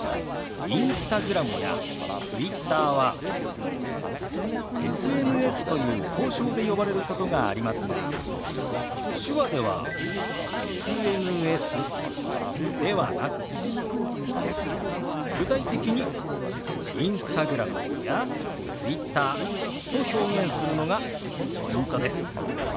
ＩｎｓｔａｇｒａｍやＴｗｉｔｔｅｒはＳＮＳという総称で呼ばれることがありますが手話では「ＳＮＳ」ではなく具体的に「Ｉｎｓｔａｇｒａｍ」や「Ｔｗｉｔｔｅｒ」と表現するのがポイントです。